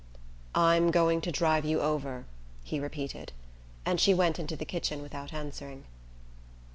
"I'm going to drive you over," he repeated; and she went into the kitchen without answering.